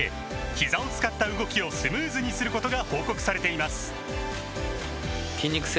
ひざを使った動きをスムーズにすることが報告されています